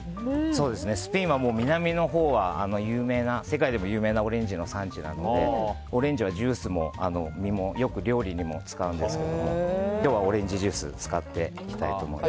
スペインは南のほうは世界でも有名なオレンジの産地なのでオレンジはジュースも実もよく料理にも使うんですけども今日はオレンジジュースを使っていきたいと思います。